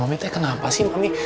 mami mami kenapa sih